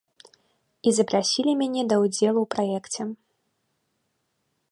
І запрасілі мяне да ўдзелу ў праекце.